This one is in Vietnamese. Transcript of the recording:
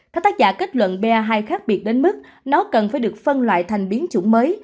các tác giả kết luận ba hai khác biệt đến mức nó cần phải được phân loại thành biến chủng mới